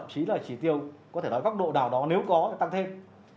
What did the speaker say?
chỉ tiêu có thể nói góc độ nào đó nếu có tăng thêm